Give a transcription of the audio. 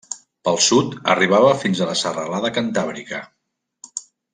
Pel sud arribava fins a la serralada Cantàbrica.